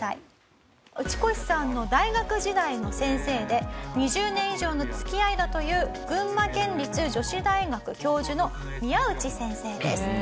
ウチコシさんの大学時代の先生で２０年以上の付き合いだという群馬県立女子大学教授の宮内先生です。